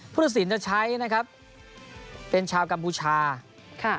ผู้ตัดสินจะใช้นะครับเป็นชาวกัมพูชาค่ะ